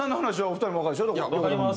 わかります。